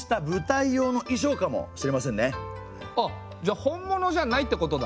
あっじゃあ本物じゃないってことだ。